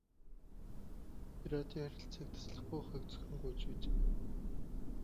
Тэд радио харилцааг таслахгүй байхыг цөхрөн гуйж байжээ.